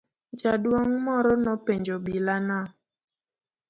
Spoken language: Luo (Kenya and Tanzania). Jaduong' moro nopenjo obila no.